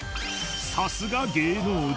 さすが芸能人